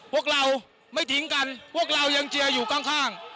พวกเราไม่ทิ้งกันพวกเรายังเจียอยู่ข้าง